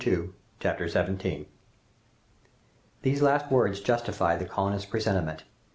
And I " Chapter 17 These last words justified the colonists' presentiment.